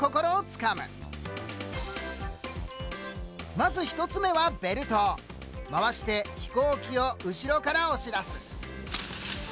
まず１つ目は回して飛行機を後ろから押し出す。